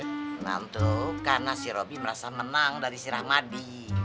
kenapa tuh karena si robi merasa menang dari si rahmadi